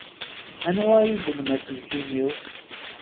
Anwa i yeddmen aselkim-iw?